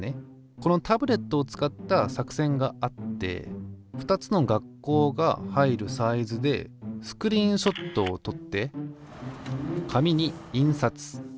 このタブレットを使った作戦があって２つの学校が入るサイズでスクリーンショットをとって紙に印刷。